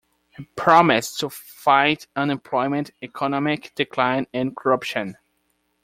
He promised to fight unemployment, economic decline and corruption.